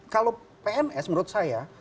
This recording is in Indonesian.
kalau pms menurut saya